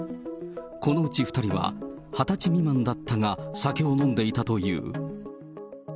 このうち２人は２０歳未満だったが、酒を飲んでいたという。